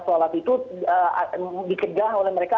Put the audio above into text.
solat itu dikegah oleh mereka